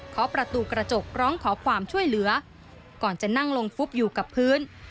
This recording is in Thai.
ขอประตูกระจกร้องขอความช่วยเหลือก่อนจะนั่งลงฟุบอยู่กับพื้น